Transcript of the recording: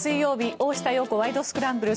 「大下容子ワイド！スクランブル」。